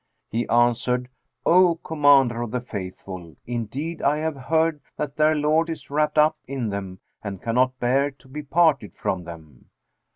He answered, "O Commander of the Faithful, indeed I have heard that their lord is wrapped up in them and cannot bear to be parted from them."